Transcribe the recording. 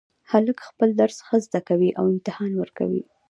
هلک خپل درس ښه زده کوي او امتحان ورکوي